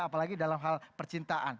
apalagi dalam hal percintaan